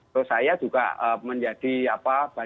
terus saya juga menjadi apa